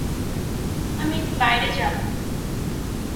আমি একটু বাইরে যাব।